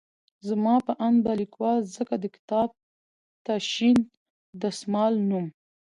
زما په اند به ليکوال ځکه د کتاب ته شين دسمال نوم